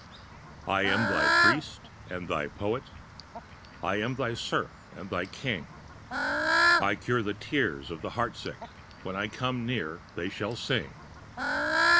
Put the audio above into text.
I am thy priest and thy poet, I am thy serf and thy king; I cure the tears of the heartsick, When I come near they shall sing.